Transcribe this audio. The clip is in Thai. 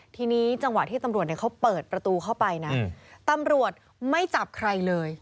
ทีนี้จังหวะที่ตำรวจเขาเปิดประตูเข้าไปนะตำรวจไม่จับใครเลย